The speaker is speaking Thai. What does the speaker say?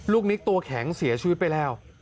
นิกตัวแข็งเสียชีวิตไปแล้ว